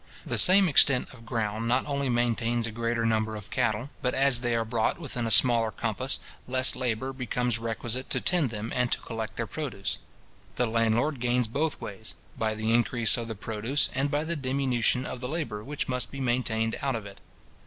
The same extent of ground not only maintains a greater number of cattle, but as they are brought within a smaller compass, less labour becomes requisite to tend them, and to collect their produce. The landlord gains both ways; by the increase of the produce, and by the diminution of the labour which must be maintained out of it.